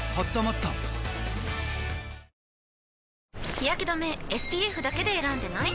日やけ止めＳＰＦだけで選んでない？